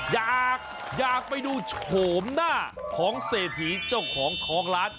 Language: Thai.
อยากไปดูโฉมหน้าของเศรษฐีเจ้าของทองล้าน